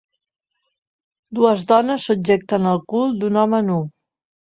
Dues dones subjecten el cul d'un home nu